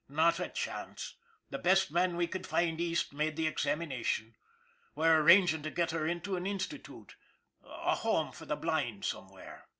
" Not a chance. The best man we could find East made the examination. We're arranging to get her into an institute a home for the blind somewhere."